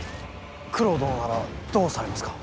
九郎殿ならどうされますか。